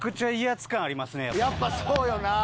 やっぱそうよな。